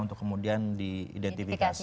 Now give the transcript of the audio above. untuk kemudian diidentifikasi